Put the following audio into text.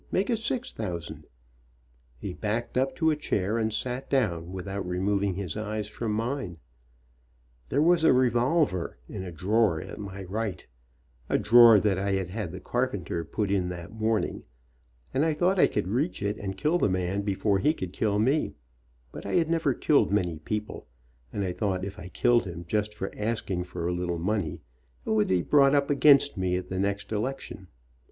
Make it six thousand." He backed up to a chair and sat down, without removing his eyes from mine. There was a revolver in a drawer at my right, a drawer that I had had the carpenter put in that morning, and I thought I could reach it and kill the man before he could kill me, but I had never killed many people, and I thought 30 WHEN DAD WAS SCARED if I killed him just for asking for a little money it would be brought up against me at the next election.